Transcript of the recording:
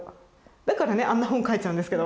だからねあんな本書いちゃうんですけど。